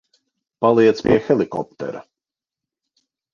Paliec pie helikoptera.